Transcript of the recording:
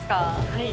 はい。